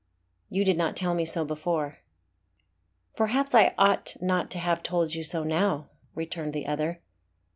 "You did not tell me so before." "Perhaps I ought not to have told you so now," returned the other.